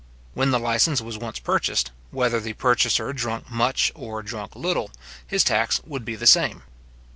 When the licence was once purchased, whether the purchaser drunk much or drunk little, his tax would be the same.